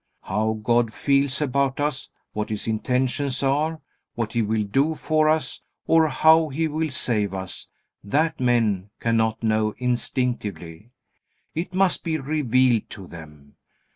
How God feels about us, what His intentions are, what He will do for us, or how He will save us, that men cannot know instinctively. It must be revealed to them.